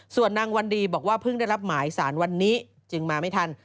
ส่วนนางวันดีบอกว่าเพิ่งได้รับหมายสารวันนี้จึงมาไม่ทัน